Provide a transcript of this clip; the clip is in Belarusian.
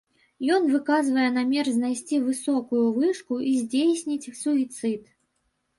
Ён выказвае намер знайсці высокую вышку і здзейсніць суіцыд.